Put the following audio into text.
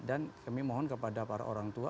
dan kami mohon kepada para orang tua